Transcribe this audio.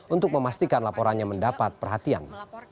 untuk memastikan laporannya mendapat perhatian